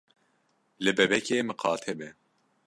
Li bebekê miqate be.